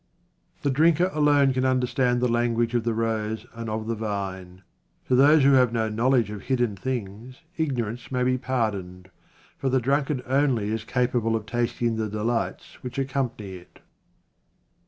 The drinker alone can understand the lan guage of the rose and of the vine. To those who have no knowledge of hidden things ignorance may be pardoned, for the drunkard only is capable of tasting the delights which accom pany it.